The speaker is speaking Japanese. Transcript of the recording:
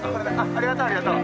ありがとうありがとう。